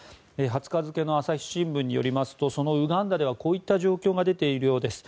２０日付の朝日新聞によりますとウガンダではこういった状況があるようです。